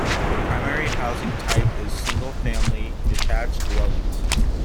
The primary housing type is single-family, detached dwellings.